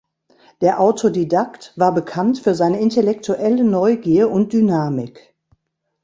Der Autodidakt war bekannt für seine intellektuelle Neugier und Dynamik.